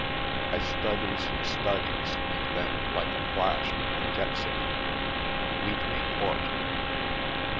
I studies and studies and then, like a flash, I gets it: Wheatley Court.